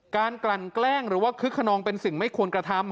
กลั่นแกล้งหรือว่าคึกขนองเป็นสิ่งไม่ควรกระทำ